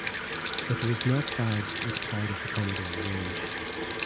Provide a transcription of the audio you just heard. It was not badged as part of the Commodore range.